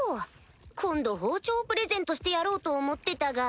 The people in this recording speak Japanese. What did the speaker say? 今度包丁をプレゼントしてやろうと思ってたが。